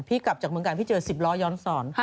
พี่กลับจากเมืองกาลพี่เจอสิบล้อย้อนศร